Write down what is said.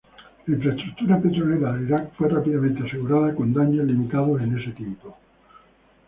La infraestructura petrolera de Irak fue rápidamente asegurada con daños limitados en ese tiempo.